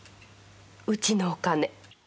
うちのお金。